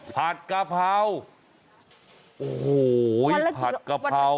ผัดกะเพราโอ้โหผัดกะเพรา